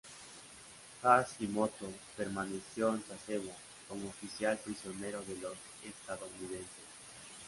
Hashimoto permaneció en Sasebo como oficial prisionero de los estadounidenses.